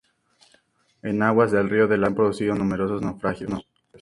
En aguas del Río de la Plata se han producido numerosos naufragios.